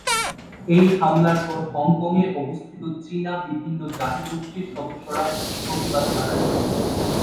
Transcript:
এই হামলার পর হংকংয়ে অবস্থিত চীনা বিভিন্ন জাতিগোষ্ঠীর সদস্যরা প্রতিবাদ জানায়।